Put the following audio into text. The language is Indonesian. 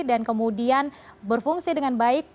dan kemudian berfungsi dengan baik